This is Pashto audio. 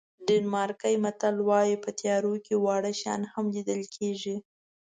ډنمارکي متل وایي په تیارو کې واړه شیان هم لیدل کېږي.